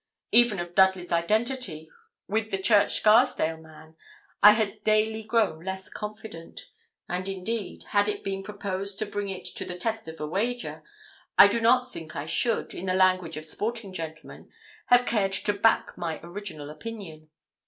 Even of Dudley's identity with the Church Scarsdale man, I had daily grown less confident; and, indeed, had it been proposed to bring it to the test of a wager, I do not think I should, in the language of sporting gentlemen, have cared to 'back' my original opinion.